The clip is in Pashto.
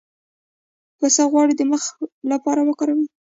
د پسته غوړي د مخ لپاره وکاروئ